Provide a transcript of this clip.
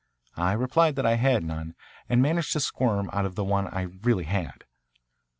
I replied that I had none and managed to squirm out of the one I really had.